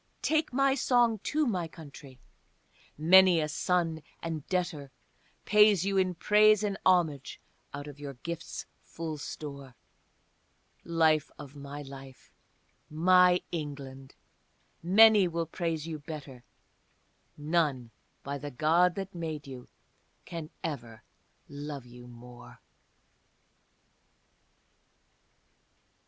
Take my song too, my country: many a son and debtor Pays you in praise and homage out of your gifts' full store; Life of my life, my England, many will praise you better, None, by the God that made you, ever can love you more!